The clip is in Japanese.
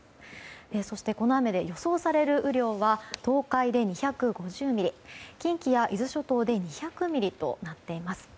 そしてこの雨で予想される雨量は東海で２５０ミリ近畿や伊豆諸島で２００ミリとなっています。